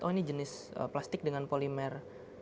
oh ini jenis plastik dengan polimer